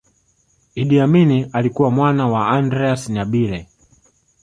Idi Amin alikuwa mwana wa Andreas Nyabire